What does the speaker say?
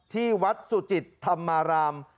ที่วัดสุจิตธรรมาราม